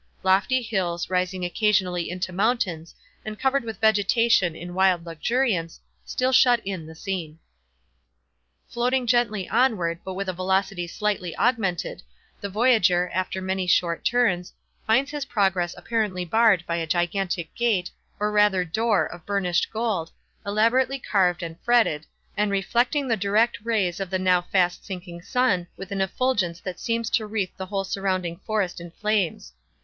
Lofty hills, rising occasionally into mountains, and covered with vegetation in wild luxuriance, still shut in the scene. Floating gently onward, but with a velocity slightly augmented, the voyager, after many short turns, finds his progress apparently barred by a gigantic gate or rather door of burnished gold, elaborately carved and fretted, and reflecting the direct rays of the now fast sinking sun with an effulgence that seems to wreath the whole surrounding forest in flames.